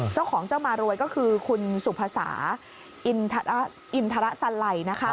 เจ้าของเจ้ามารวยก็คือคุณสุภาษาอินทรสันไลนะคะ